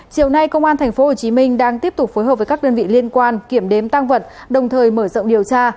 chiều nay công an thành phố hồ chí minh đang tiếp tục phối hợp với các đơn vị liên quan kiểm đếm tăng vật đồng thời mở rộng điều tra